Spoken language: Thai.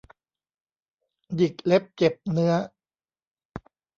หยิกเล็บเจ็บเนื้อ